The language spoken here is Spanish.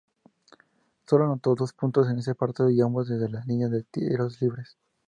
Solo anotó dos puntos en ese partido, ambos desde la línea de tiros libres.